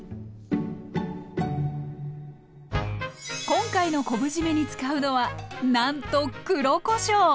今回の昆布じめに使うのはなんと黒こしょう。